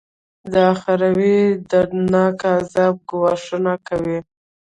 د اخروي دردناکه عذاب ګواښونه کوي.